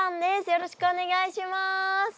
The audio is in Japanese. よろしくお願いします。